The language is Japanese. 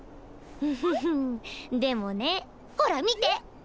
うふふでもねほら見て。